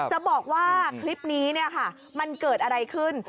จะบอกว่าคลิปนี้เนี่ยค่ะมันเกิดอะไรขึ้น